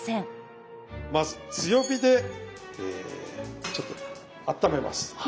まず強火でちょっとあっためます。